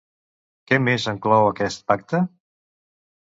Què més enclou aquest pacte?